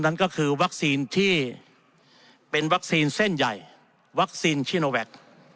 นั่นก็คือวัคซีนที่เป็นวัคซีนเส้นใหญ่วัคซีนชิโนแวค